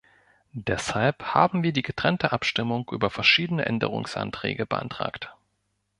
Deshalb haben wir die getrennte Abstimmung über verschiedene Änderungsanträge beantragt.